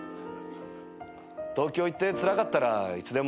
東京行ってつらかったらいつでも戻ってこい。